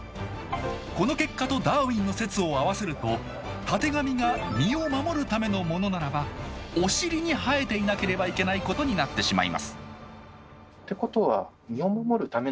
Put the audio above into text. この結果とダーウィンの説を合わせるとたてがみが「身を守るためのもの」ならばお尻に生えていなければいけないことになってしまいますってことはえ？